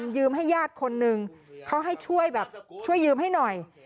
ยืมให้ญาติคนหนึ่งเขาให้ช่วยแบบช่วยยืมให้หน่อย